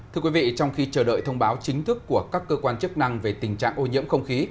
thưa quý vị trong khi chờ đợi thông báo chính thức của các cơ quan chức năng về tình trạng ô nhiễm không khí